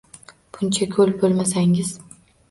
Buncha go`l bo`lmasangiz